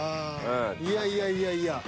いやいやいやいや。